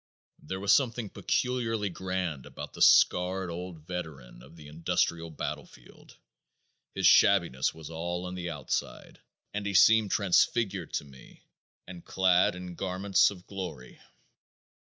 There was something peculiarly grand about the scarred old veteran of the industrial battlefield. His shabbiness was all on the outside, and he seemed transfigured to me and clad in garments of glory.